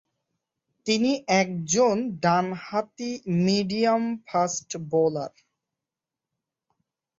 তিনি একজন ডান হাতি মিডিয়াম ফাস্ট বোলার।